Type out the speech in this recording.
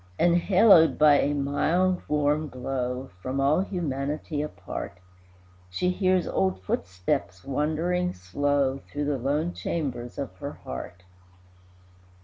Enhaloed by a mild, warm glow, From all humanity apart, She hears old footsteps wandering slow Through the lone chambers of her heart.